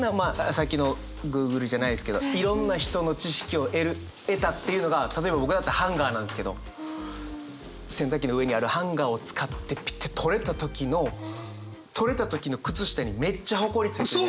さっきのＧｏｏｇｌｅじゃないですけどいろんな人の知識を得る得たっていうのが例えば僕だったらハンガーなんですけど洗濯機の上にあるハンガーを使ってピッて取れた時の取れた時のくつしたにめっちゃホコリついてる。